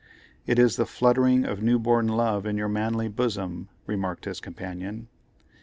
"It is the fluttering of new born love in your manly bosom," remarked his companion.